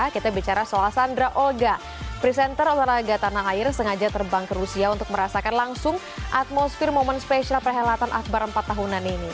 kita bicara soal sandra olga presenter olahraga tanah air sengaja terbang ke rusia untuk merasakan langsung atmosfer momen spesial perhelatan akbar empat tahunan ini